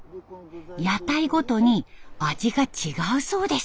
屋台ごとに味が違うそうです。